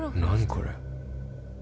これ